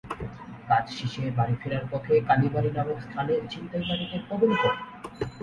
কাজ শেষে বাড়ি ফেরার পথে কালীবাড়ি নামক স্থানে ছিনতাইকারীদের কবলে পড়েন।